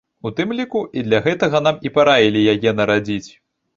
У тым ліку, і для гэтага нам і параілі яе нарадзіць.